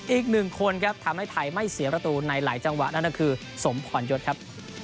อีกหนึ่งคนครับทำให้ไทยไม่เสียประตูในหลายจังหวะนั่นก็คือสมพรยศครับ